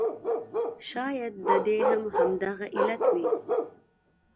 شاید د دې هم همغه علت وي.